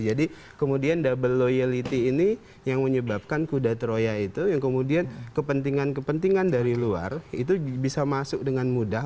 jadi kemudian double loyalty ini yang menyebabkan kuda troya itu yang kemudian kepentingan kepentingan dari luar itu bisa masuk dengan mudah